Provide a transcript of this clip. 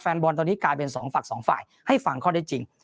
แฟนบอลตอนนี้กลายเป็น๒ฝัก๒ฝ่ายให้ฟังเขาได้จริง